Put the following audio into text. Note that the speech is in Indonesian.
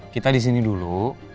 kita di sini dulu